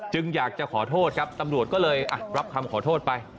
อยากจะขอโทษครับตำรวจก็เลยรับคำขอโทษไป